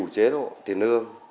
chế độ tiền lương